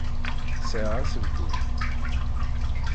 Sɛiɣ aselkim.